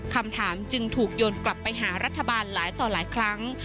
คำถามจึงถูกโยนกลับไปหารัฐบาลหลายต่อหลายครั้ง